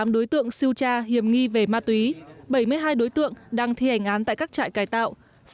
hai mươi tám đối tượng siêu tra hiểm nghi về ma túy bảy mươi hai đối tượng đang thi hành án tại các trại cài tạo